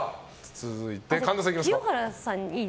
続いて、神田さんいきますか。